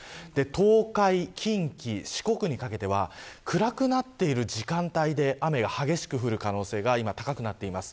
東海、近畿、四国にかけては暗くなっている時間帯で雨が激しく降る可能性が今、高くなっています。